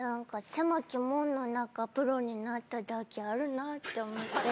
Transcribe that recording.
なんか狭き門の中、プロになっただけあるなって思って。